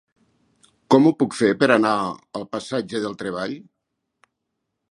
Com ho puc fer per anar al passatge del Treball?